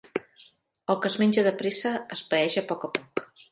El que es menja de pressa es paeix a poc a poc.